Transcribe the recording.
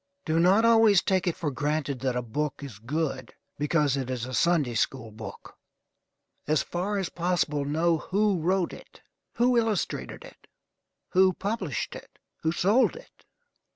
Do not always take it for granted that a book is good because it is a Sunday school book. As far as possible know who wrote it, who illustrated it, who published it, who sold it.